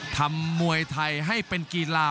มวยไทยให้เป็นกีฬา